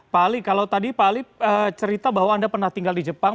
pak ali kalau tadi pak alip cerita bahwa anda pernah tinggal di jepang